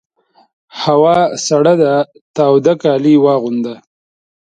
هوا سړه ده تاوده کالي واغونده!